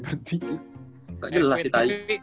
gak jelas sih tayu